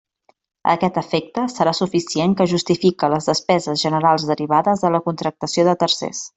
A aquest efecte, serà suficient que justifique les despeses generals derivades de la contractació de tercers.